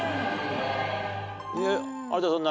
有田さん何？